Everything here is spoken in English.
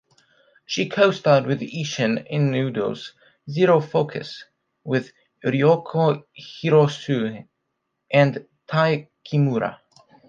She co-starred in Isshin Inudo's "Zero Focus" with Ryoko Hirosue and Tae Kimura.